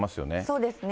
そうですね。